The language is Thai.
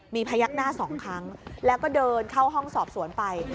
มีพยักหน้า๒ครั้งแล้วก็เดินเข้าห้องสอบสวนไป